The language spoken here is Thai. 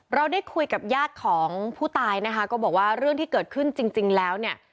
เราได้คุยกับญาติของผู้ตายนะคะก็บอกว่าเรื่องที่เกิดขึ้นจริงแล้วเนี่ย